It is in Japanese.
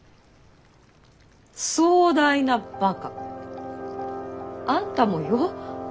壮大なバカ。あんたもよ。